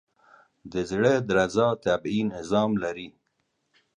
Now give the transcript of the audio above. د زړه درزا طبیعي نظام لري.